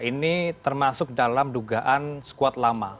ini termasuk dalam dugaan squad lama